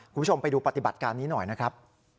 คุณผู้ชมไปดูปฏิบัติการนี้หน่อยนะครับ